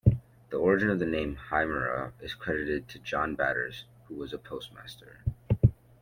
The origin of the name Hymera is credited to John Badders, who was postmaster.